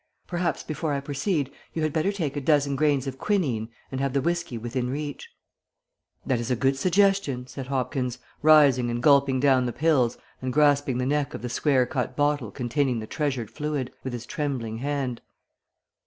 Perhaps, before I proceed, you had better take a dozen grains of quinine, and have the whiskey within reach." "That is a good suggestion," said Hopkins, rising and gulping down the pills, and grasping the neck of the square cut bottle containing the treasured fluid, with his trembling hand.